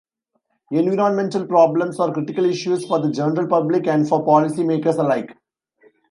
Environmental problems are critical issues for the general public and for policy makers alike.